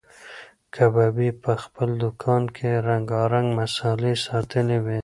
کبابي په خپل دوکان کې رنګارنګ مسالې ساتلې وې.